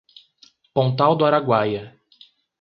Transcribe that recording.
Pontal do Araguaia